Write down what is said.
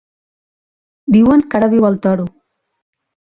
Diuen que ara viu al Toro.